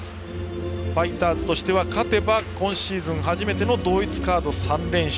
ファイターズとしては勝てば今シーズン初めての同一カード３連勝。